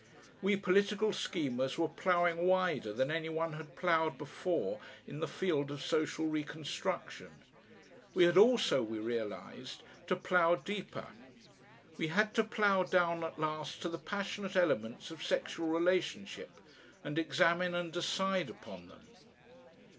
We political schemers were ploughing wider than any one had ploughed before in the field of social reconstruction. We had also, we realised, to plough deeper. We had to plough down at last to the passionate elements of sexual relationship and examine and decide upon them.